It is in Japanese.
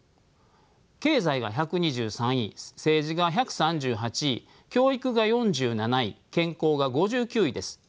経済が１２３位政治が１３８位教育が４７位健康が５９位です。